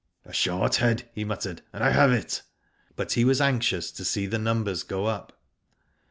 *' A short head," he muttered ;" and I have it." But he was anxious to see the numbers go up.